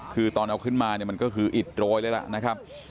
คือตอนเอาขึ้นมาเนี่ยมันก็คืออิดโรยเลยล่ะนะครับ